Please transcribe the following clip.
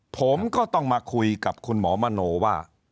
ผมก็ต้องมาคุยกับคุณหมอมโนว่า